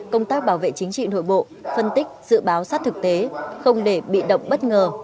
công tác bảo vệ chính trị nội bộ phân tích dự báo sát thực tế không để bị động bất ngờ